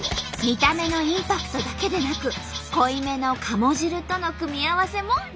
見た目のインパクトだけでなく濃いめの鴨汁との組み合わせも人気なんだとか。